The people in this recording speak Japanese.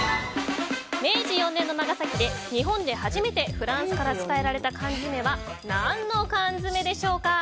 明治４年の長崎で日本で初めてフランスから伝えられた缶詰は何の缶詰でしょうか。